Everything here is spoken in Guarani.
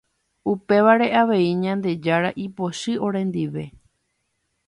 Upévare avei Ñandejára ipochy orendive.